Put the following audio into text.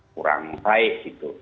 kurang baik gitu